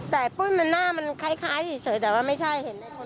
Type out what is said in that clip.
แต่ปุ้ยหน้ามันคล้ายเฉยเฉยแต่ว่าไม่ใช่